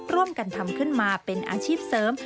ร่วมกันทำขึ้นมาเป็นอาชีพเสริม